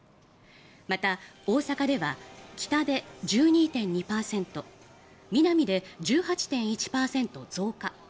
また、大阪ではキタで１２．２％ミナミで１８．１％増加。